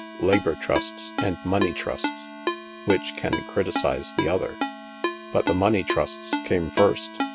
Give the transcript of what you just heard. Labor trusts and money trusts — which can criticise the other?" "But the money trusts came first.